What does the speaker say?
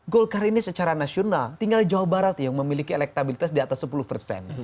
golkar ini secara nasional tinggal di jawa barat yang memiliki elektabilitas di atas sepuluh persen